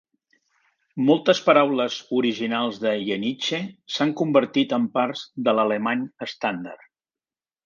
Moltes paraules originals de Yeniche s'han convertit en parts de l'alemany estàndard.